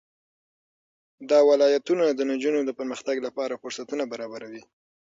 دا ولایتونه د نجونو د پرمختګ لپاره فرصتونه برابروي.